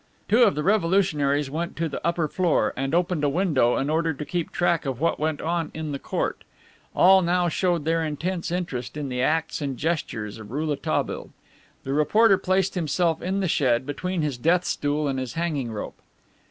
Two of the revolutionaries went to the upper floor, and opened a window in order to keep track of what went on in the court. All now showed their intense interest in the acts and gestures of Rouletabille. The reporter placed himself in the shed, between his death stool and his hanging rope.